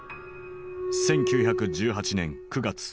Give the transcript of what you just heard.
１９１８年９月。